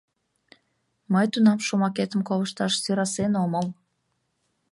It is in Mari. Мый тунам шомакетым колышташ сӧрасен омыл.